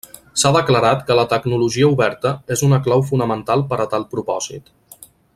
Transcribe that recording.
S'ha declarat que la tecnologia oberta és una clau fonamental per a tal propòsit.